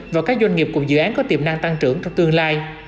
và các doanh nghiệp cùng dự án có tiềm năng tăng trưởng trong tương lai